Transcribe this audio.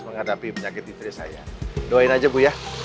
menghadapi penyakit istri saya doain aja bu ya